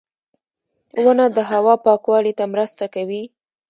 • ونه د هوا پاکوالي ته مرسته کوي.